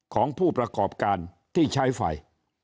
ของผู้ประกอบการที่ใช้ไฟ